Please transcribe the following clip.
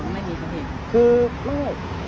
ไม่มีครับพี่